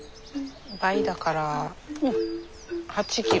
倍だから８キロ。